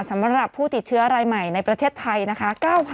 สำหรับผู้ติดเชื้อรายใหม่ในประเทศไทยนะคะ